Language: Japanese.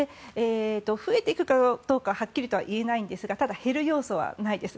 増えていくかどうかはっきりとは言えないんですがただ減る要素はないです。